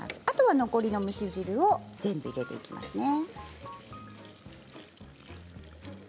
あとは、残りの蒸し汁を全部入れていきますね。